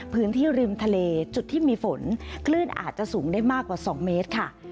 พื้นที่ริมทะเลจุดที่มีฝนคลื่นอาจจะสูงได้มากกว่า๒เมตรค่ะ